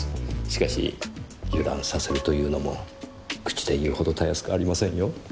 しかし油断させるというのも口で言うほど容易くありませんよ？